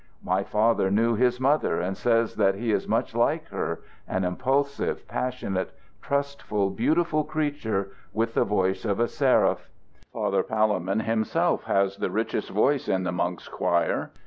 My father knew his mother and says that he is much like her an impulsive, passionate, trustful, beautiful creature, with the voice of a seraph. Father Palemon himself has the richest voice in the monks' choir.